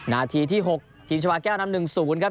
นาทีที่๖ทีมชาวาแก้วนำ๑๐ครับ